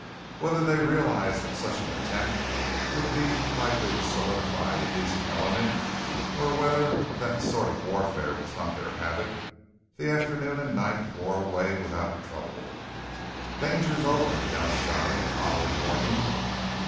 Whether they realized that such an attempt would be likely to solidify the decent element, or whether that sort of warfare was not their habit, the afternoon and night wore away without trouble. "Danger's over," announced Johnny the following morning.